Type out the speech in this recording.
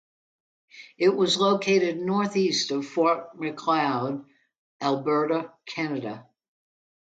It was located northeast of Fort Macleod, Alberta, Canada.